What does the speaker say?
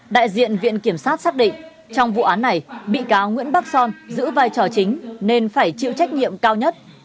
đại diện viện kiểm sát xác định trong vụ án này bị cáo nguyễn bắc son giữ vai trò chính nên phải chịu trách nhiệm cao nhất